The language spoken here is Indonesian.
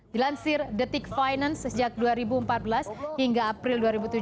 dilansir detik finance sejak dua ribu empat belas hingga april dua ribu tujuh belas